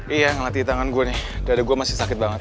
iya ngeliat di tangan gue nih dada gue masih sakit banget